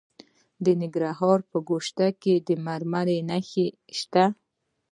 د ننګرهار په ګوشته کې د مرمرو نښې شته.